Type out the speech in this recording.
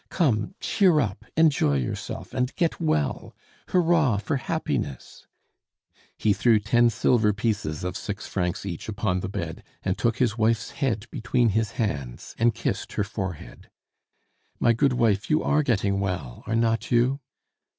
Come, cheer up, enjoy yourself, and get well! Hurrah for happiness!" He threw ten silver pieces of six francs each upon the bed, and took his wife's head between his hands and kissed her forehead. "My good wife, you are getting well, are not you?"